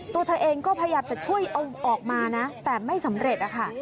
ตัวเธอเองก็พยายามจะช่วยเอาออกมานะแต่ไม่สำเร็จนะคะ